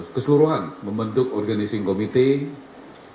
keseluruhan membentuk organizing committee